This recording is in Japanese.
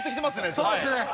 そうですね。